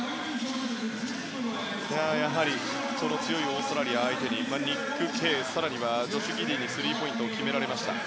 強いオーストラリア相手にニック・ケイ更にはジョシュ・ギディーにスリーポイントを決められました。